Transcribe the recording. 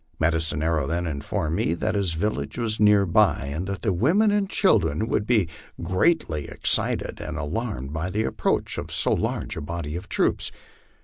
Medicine Arrow then informed me that his vilage was near by, and that the women and children would be greatl} 7 excited and MY LIFE ON THE PLAINS. 239 alavmed by the approach of so large a body of troops.